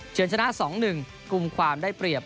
เชิญชนะ๒๑กลุ่มความได้เปรียบ